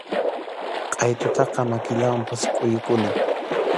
Qʼaytutaqa makillawanpas kʼuyukunam.